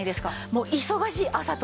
もう忙しい朝とか。